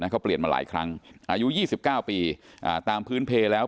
เขาเปลี่ยนมาหลายครั้งอายุยี่สิบเก้าปีตามพื้นเพลงแล้ว